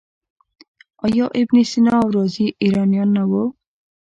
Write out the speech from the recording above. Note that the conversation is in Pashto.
آیا ابن سینا او رازي ایرانیان نه وو؟